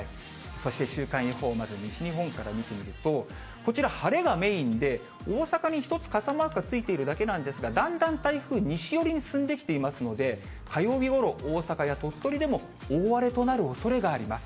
そして週間予報、西日本から見てみると、こちら、晴れがメインで、大阪に一つ傘マークがついているだけなんですが、だんだん台風、西寄りに進んできていますので、火曜日ごろ、大阪や鳥取でも、大荒れとなるおそれがあります。